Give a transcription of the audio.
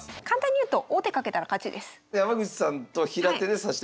簡単に言うと王手かけたら勝ちです。